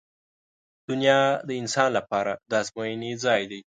• دنیا د انسان لپاره د ازموینې ځای دی.